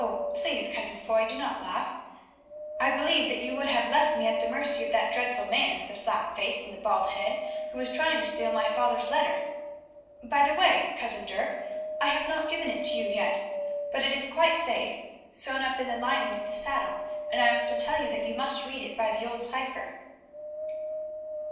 please, cousin Foy, do not laugh; I believe that you would have left me at the mercy of that dreadful man with a flat face and the bald head, who was trying to steal my father's letter. By the way, cousin Dirk, I have not given it to you yet, but it is quite safe, sewn up in the lining of the saddle, and I was to tell you that you must read it by the old cypher."